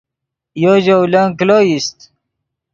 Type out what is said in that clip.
یو ژولن کلو ایست